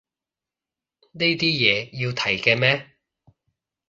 呢啲嘢要提嘅咩